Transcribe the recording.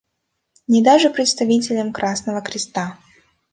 Ни даже представителям Красного Креста.